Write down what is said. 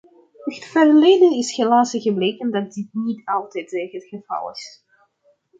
In het verleden is helaas gebleken dat dit niet altijd het geval is.